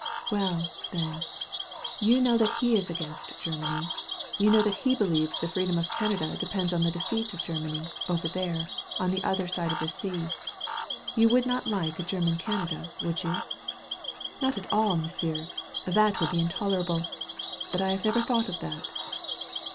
" "Well, then, you know that he is against Ger many. You know he believes the freedom of Canada depends on the defeat of Germany, over there, on the other side of the sea. You would not like a •German Canada, would you?" "Not at all, M'sieu', that would be intolerable. But I have never thought of that."